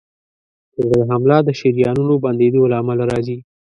د زړه حمله د شریانونو بندېدو له امله راځي.